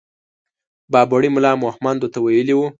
بابړي ملا مهمندو ته ويلي وو.